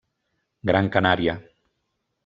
Gran Canària.